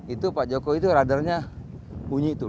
itu pak jokowi itu radarnya bunyi tuh